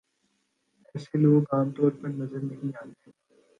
ایسے لوگ عام طور پر نظر نہیں آتے